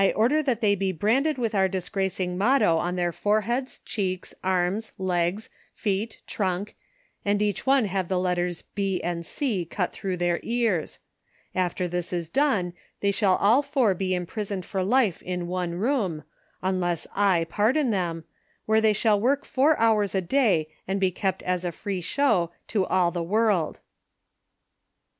385 order that they be branded with our disgracing motto on their foreheads, cheelcs, arms, legs, feet, trunk, and each one have the letters B and C cut through their ears ; after this is done, they shall all four be imprisoned for life m one room, unless / pardon them, where they shall work four hours a day, and be kept as a free show to all tlie world."